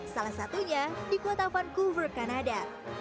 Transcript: salah satunya di kota vancouver kanada